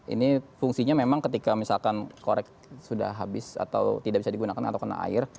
ini fungsinya memang ketika misalkan korek sudah habis atau tidak bisa digunakan atau kena air